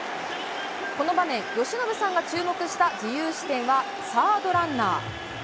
この場面、由伸さんが注目した自由視点は、サードランナー。